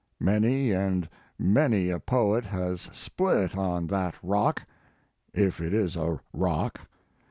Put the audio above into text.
Many and many a poet has split on that rock if it is a rock.